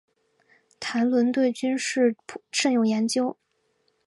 谭纶对军事甚有研究。